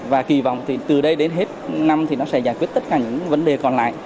và kỳ vọng từ đây đến hết năm nó sẽ giải quyết tất cả những vấn đề còn lại